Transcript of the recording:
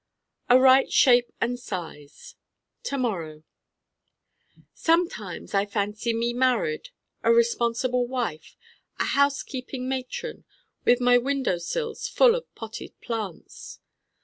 A right shape and size To morrow Sometimes I fancy me married a responsible wife, a housekeeping matron: with my window sills full of potted plants.